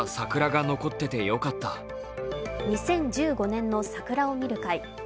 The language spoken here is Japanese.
２０１５年の桜を見る会。